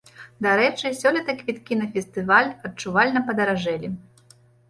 Дарэчы, сёлета квіткі на фестываль адчувальна падаражэлі.